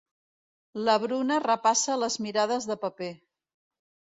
La Bruna repassa les mirades de paper.